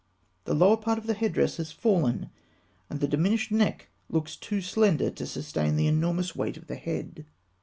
The lower part of the head dress has fallen, and the diminished neck looks too slender to sustain the enormous weight of the head.